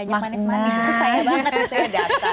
atau makan banyak manis manis susah banget